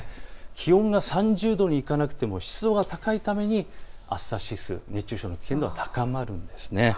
気温が３０度にいかなくても湿度が高いために暑さ指数、熱中症の危険度が高まるんです。